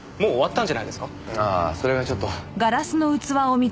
ああそれがちょっと。